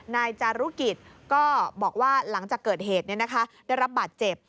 นายจารุกิจก็บอกว่าหลังจากเกิดเหตุได้รับบาดเจ็บ